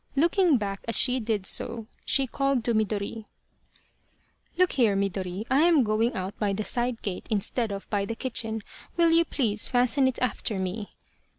Looking back as she did so, she called to Midori :" Look here, Midori, I am going out by the side 144 Urasato, or the Crow of Dawn gate instead of by the kitchen will you please fasten it after me."